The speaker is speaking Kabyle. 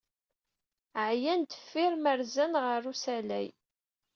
Ɛyan deffir ma rzan ɣef usalay.